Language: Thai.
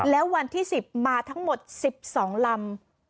แล้ววันที่๑๐มาทั้งหมด๑๒ลำ